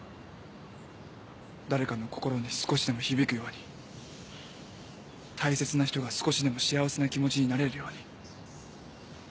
誰かの心に少しでも響くように大切な人が少しでも幸せな気持ちになれるように。